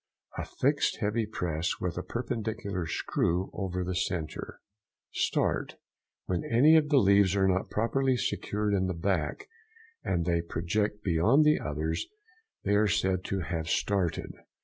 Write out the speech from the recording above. —A fixed heavy press with a perpendicular screw over the centre. START.—When any of the leaves are not properly secured in the back, and they project beyond the others, they are said to have started.